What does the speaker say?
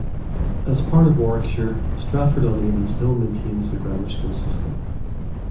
As part of Warwickshire, Stratford-on-Avon still maintains the grammar school system.